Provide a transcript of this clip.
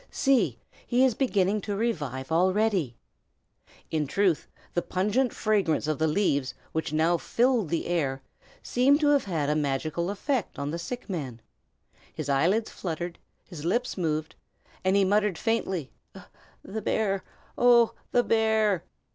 See, he is beginning to revive already." In truth, the pungent fragrance of the leaves, which now filled the air, seemed to have a magical effect on the sick man. His eyelids fluttered, his lips moved, and he muttered faintly, "The bear! oh, the bear!"